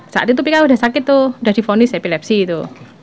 saat itu pika sudah sakit tuh udah difonis epilepsi itu